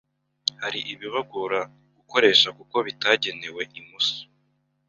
hari ibibagora gukoresha kuko bitagenewe imoso.